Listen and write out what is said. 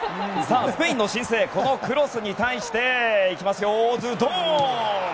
スペインの新星このクロスに対していきますよ、ズドーン！